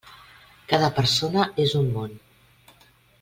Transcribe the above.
Cada persona és un món.